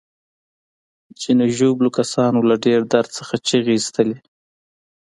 ځینو ژوبلو کسانو له ډیر درد څخه چیغې ایستلې.